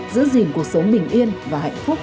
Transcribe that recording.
giữ gìn cuộc sống bình yên và hạnh phúc